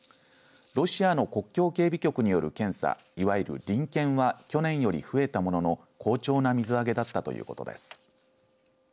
ロシアの国境警備局による検査いわゆる臨検は去年より増えたものの好調な水揚げだったということです。